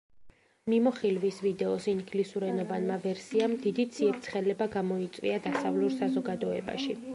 მიმოხილვის ვიდეოს ინგლისურენოვანმა ვერსიამ დიდი ციებ-ცხელება გამოიწვია დასავლურ საზოგადოებაში.